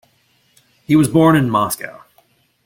He was born in Moscow.